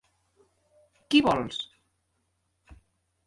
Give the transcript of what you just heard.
Qui vols?